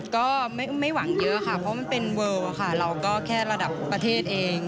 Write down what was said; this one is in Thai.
ก็ไม่หวังเยอะค่ะเพราะมันเป็นเวิลค่ะเราก็แค่ระดับประเทศเอง